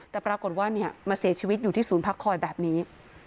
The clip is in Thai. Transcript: แต่ปรากฏว่ามาเสียชีวิตอยู่ที่ศูนย์พักคอยแบบนี้